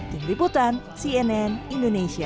tim liputan cnn indonesia